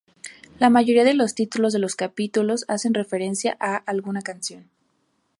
La mayoría de los títulos de los capítulos hacen referencia a alguna canción.